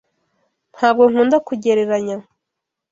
Ntabwo nkunda kugereranya.